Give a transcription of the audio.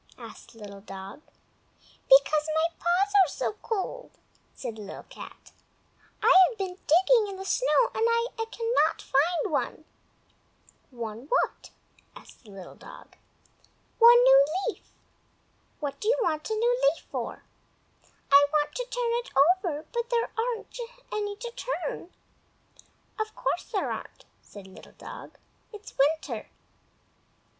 asked Little Dog. "Because my paws are so cold!" said Little Cat. "I have been digging in the snow and I cannot find one." "One what?" asked Little Dog. "One new leaf." "What do you want of a new leaf?" "I want to turn it over, but there just aren't any to turn." "Of course there aren't!" said Little Dog. "It is winter."